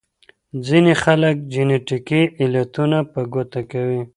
ځينې خلګ جينيټيکي علتونه په ګوته کوي.